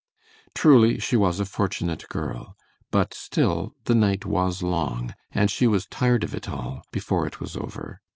Truly, she was a fortunate girl, but still the night was long, and she was tired of it all before it was over.